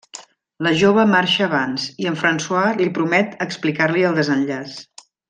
La jove marxa abans, i en François li promet explicar-li el desenllaç.